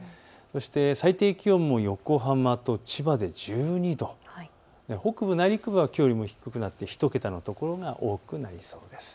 そして最低気温も横浜と千葉で１２度、北部、内陸部はきょうよりも低くなって１桁の所が多くなりそうです。